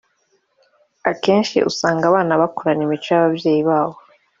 Akenshi usanga abana bakurana imico yababyeyi babo